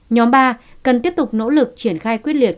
nhóm ba cần tiếp tục nỗ lực triển khai quyết liệt